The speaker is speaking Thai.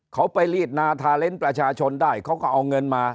เขาไปรีดนาทาเล้นประชาชนได้เขาก็เอาเงินมา